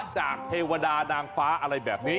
เทวดานางฟ้าอะไรแบบนี้